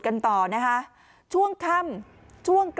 หญิงบอกว่าจะเป็นพี่ปวกหญิงบอกว่าจะเป็นพี่ปวก